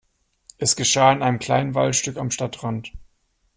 Es geschah in einem kleinen Waldstück am Stadtrand.